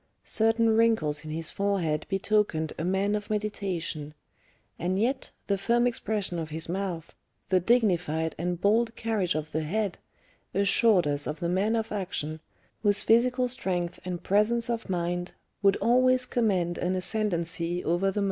Certain wrinkles in his forehead betokened a man of meditation; and yet the firm expression of his mouth, the dignified and bold carriage of the head, assured us of the man of action, whose physical strength and presence of mind would always command an ascendancy over the multitude.